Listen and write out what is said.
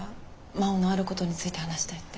真央の「あること」について話したいって。